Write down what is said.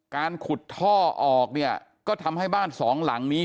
การขุดท่อออกเนี่ยก็ทำให้บ้านสองหลังนี้